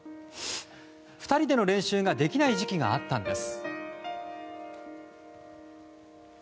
２人での練習ができない時期があったんです。